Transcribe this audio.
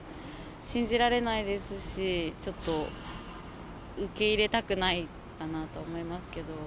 信じられないですし、ちょっと受け入れたくないかなと思いますけど。